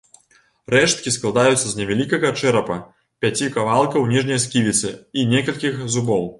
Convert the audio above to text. Рэшткі складаюцца з невялікага чэрапа, пяці кавалкаў ніжняй сківіцы, і некалькіх зубоў.